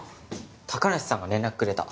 高梨さんが連絡くれた。